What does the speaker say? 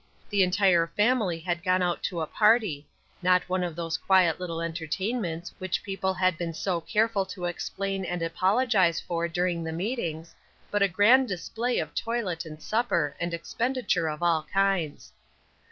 The entire family had gone out to a party, not one of those quiet little entertainments which people had been so careful to explain and apologize for during the meetings, but a grand display of toilet and supper, and expenditure of all kinds.